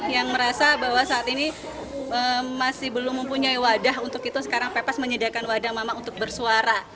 yang merasa bahwa saat ini masih belum mempunyai wadah untuk itu sekarang pepes menyediakan wadah mama untuk bersuara